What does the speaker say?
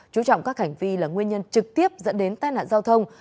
chú trọng các hành vi là nguyên nhân trực tiếp dẫn đến tai nạn giao thông